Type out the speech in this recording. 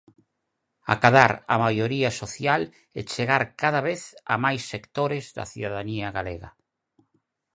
Acadar a maioría social e chegar cada vez a máis sectores da cidadanía galega.